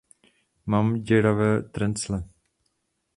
Mám děravé trencle.